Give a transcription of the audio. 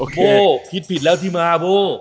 โบคิดผิดแล้วที่มาโบ